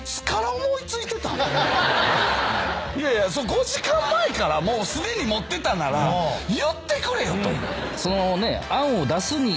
５時間前からもうすでに持ってたなら言ってくれよと。